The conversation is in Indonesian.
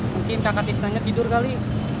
mungkin kakak tisna ngedidur kali